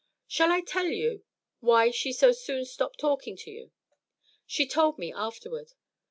Shall I tell you why she so soon stopped talking to you? She told me afterward.